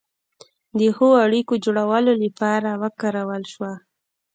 د ښو اړیکو جوړولو لپاره وکارول شوه.